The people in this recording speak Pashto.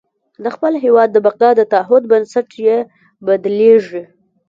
د خپل هېواد د بقا د تعهد بنسټ یې بدلېږي.